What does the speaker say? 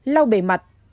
lau bề mặt